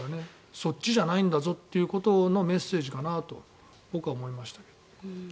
そっちじゃないんだぞっていうことのメッセージかなと僕は思いましたけど。